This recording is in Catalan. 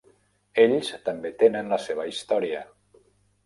Ells també tenen la seva història.